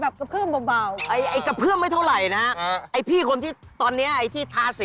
ล้างออกหรือยังยังเลยครับตอนนี้